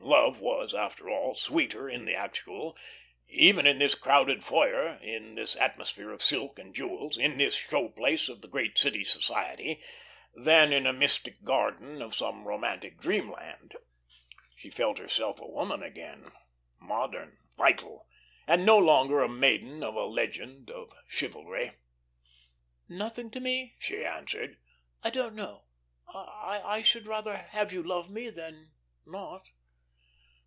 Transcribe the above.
Love was, after all, sweeter in the actual even in this crowded foyer, in this atmosphere of silk and jewels, in this show place of a great city's society than in a mystic garden of some romantic dreamland. She felt herself a woman again, modern, vital, and no longer a maiden of a legend of chivalry. "Nothing to me?" she answered. "I don't know. I should rather have you love me than not."